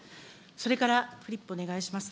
それから、フリップお願いします。